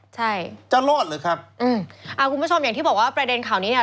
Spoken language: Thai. ใช่จะรอดหรือครับอืมอ่าคุณผู้ชมอย่างที่บอกว่าประเด็นข่าวนี้เนี้ย